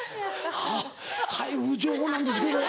「はぁ台風情報なんですけど」。